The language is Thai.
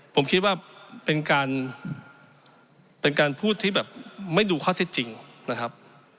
ผมคิดว่าเป็นการเป็นการพูดที่แบบไม่ดูข้อเท็จจริงนะครับ